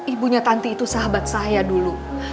ibunya tanti itu sahabat saya dulu